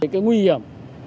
cái nguy hiểm